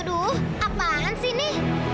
aduh apaan sini